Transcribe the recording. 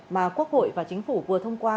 mà quốc hội và chính phủ vừa thông qua